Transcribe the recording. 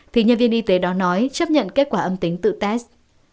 thì nhân viên y tế đó nói chấp nhận kết quả âm tính tự test